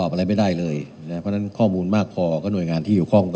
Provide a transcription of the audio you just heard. ชอะไรแล้วก็